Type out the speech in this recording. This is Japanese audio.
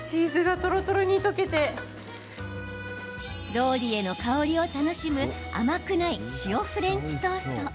ローリエの香りを楽しむ甘くない塩フレンチトースト。